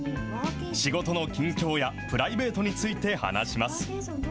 仕事の近況やプライベートについて話します。